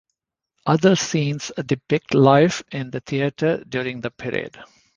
Other scenes depict life in the theatre during the period.